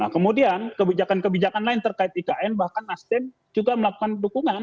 kemudian kebijakan kebijakan lain terkait ikn bahkan nasdem juga melakukan dukungan